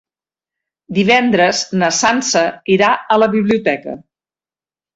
Divendres na Sança irà a la biblioteca.